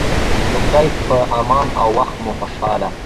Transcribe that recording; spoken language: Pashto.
د خدای په امان او وخت مو خوشحاله